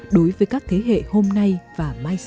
đối với các thế hệ hôm nay và mai sau